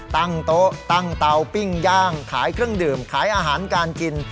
ตั้งโต๊ะตั้งเตาปิ้งย่างขายเครื่องดื่มขายอาหารการกิน